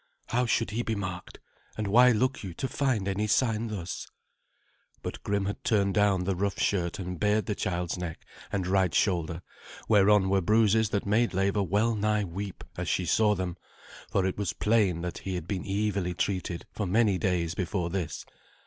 "How should he be marked? And why look you to find any sign thus?" But Grim had turned down the rough shirt and bared the child's neck and right shoulder, whereon were bruises that made Leva well nigh weep as she saw them, for it was plain that he had been evilly treated for many days before this.